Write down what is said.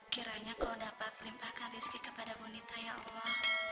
kiranya kau dapat limpahkan rezeki kepada bu nita ya allah